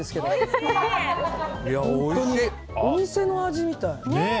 本当にお店の味みたい。